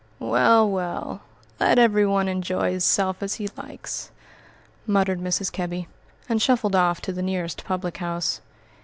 "Well! well! Let every one enj'y hisself as he likes," muttered Mrs. Kebby, and shuffled off to the nearest public house.